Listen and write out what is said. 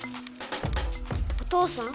お父さん？